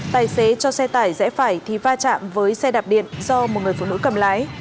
tài xế cho xe tải rẽ phải thì va chạm với xe đạp điện do một người phụ nữ cầm lái